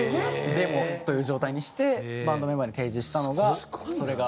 デモという状態にしてバンドメンバーに提示したのがそれが。